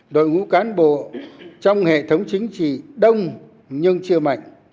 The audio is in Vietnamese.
đội ngũ cán bộ trong hệ thống chính trị đông nhưng chưa mạnh